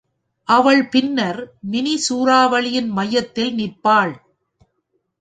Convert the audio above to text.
அவள் பின்னர் மினி சூறாவளியின் மையத்தில் நிற்பாள்.